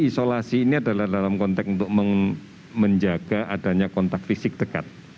isolasi ini adalah dalam konteks untuk menjaga adanya kontak fisik dekat